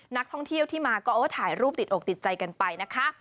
นักท่องเที่ยวที่มาก็ถ่ายรูปติดอกติดใจกันไปนะคะ